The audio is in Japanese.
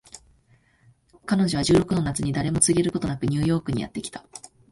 彼女は十六の夏に誰にも告げることなくニューヨークにやって来た